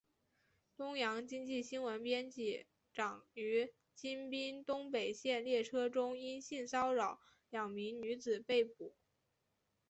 东洋经济新闻编辑长于京滨东北线列车中因性骚扰两名女子被捕。